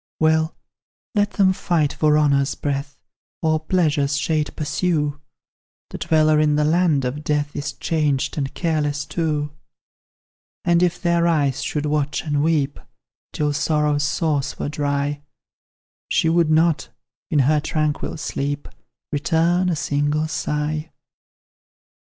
Well, let them fight for honour's breath, Or pleasure's shade pursue The dweller in the land of death Is changed and careless too. And, if their eyes should watch and weep Till sorrow's source were dry, She would not, in her tranquil sleep, Return a single sigh!